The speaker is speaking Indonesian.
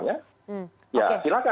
sampai akhirnya tiga puluh s misalnya